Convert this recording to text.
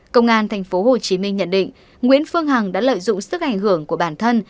công an tp hcm nhận định nguyễn phương hằng đã lợi dụng sức ảnh hưởng của bản thân